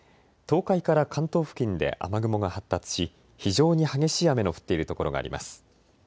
東海から関東付近で雨雲が発達し非常に激しい雨の降っている所があります。